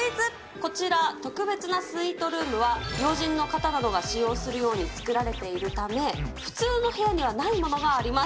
こちら、特別なスイートルームは要人の方などが使用するように作られているため、普通の部屋にはないものがあります。